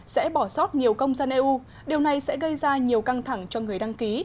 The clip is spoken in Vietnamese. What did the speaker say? sẽ bỏ sót nhiều công dân eu điều này sẽ gây ra nhiều căng thẳng cho người đăng ký